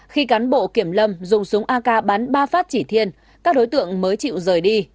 khi cán bộ kiểm lâm dùng súng ak bán ba phát chỉ thiên các đối tượng mới chịu rời đi